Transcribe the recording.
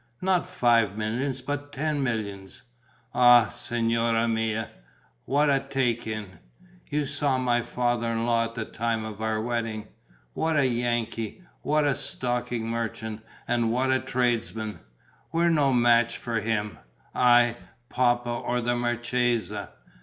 Not five millions but ten millions. Ah, signora mia, what a take in! You saw my father in law at the time of our wedding. What a Yankee, what a stocking merchant and what a tradesman! We're no match for him: I, Papa, or the marchesa.